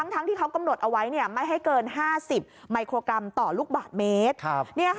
ทั้งที่เขากำหนดเอาไว้ไม่ให้เกิน๕๐มิโครกรัมต่อลูกบาทเมตร